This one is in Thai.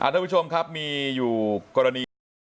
ท่านผู้ชมครับมีอยู่กรณี